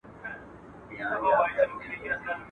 خواري دي سي مکاري، چي هم جنگ کوي، هم ژاړي.